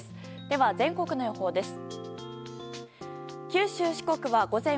では全国の予報です。